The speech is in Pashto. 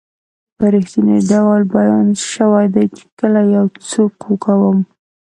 په رښتني ډول بیان شوي دي چې کله یو څوک کوم